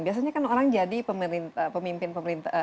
biasanya kan orang jadi pemimpin pemimpin